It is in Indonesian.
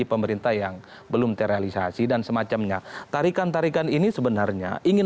pemerintah yang belum terrealisasi dan semacamnya tarikan tarikan ini sebenarnya ingin